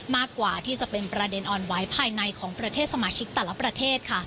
มากกว่าที่จะเป็นประเด็นอ่อนไหวภายในของประเทศสมาชิกแต่ละประเทศค่ะ